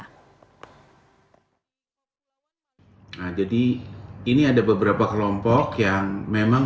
nah jadi ini ada beberapa kelompok yang memang